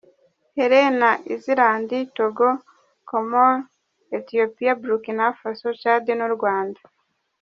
Helena Islands, Togo, Comoros, Ethiopia, Burkina Faso, Chad n’u Rwanda.